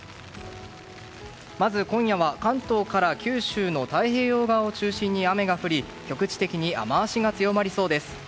まず、今夜は関東から九州の太平洋側を中心に雨が降り局地的に雨脚が強まりそうです。